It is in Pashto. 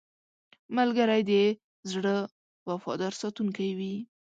ملګری د زړه وفادار ساتونکی وي